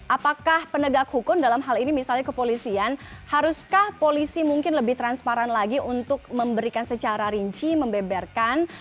apakah penegak hukum dalam hal ini misalnya kepolisian haruskah polisi mungkin lebih transparan lagi untuk memberikan secara rinci membeberkan